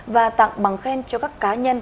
và tặng bằng khen cho các cá nhân